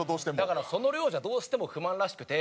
だからその量じゃどうしても不満らしくて。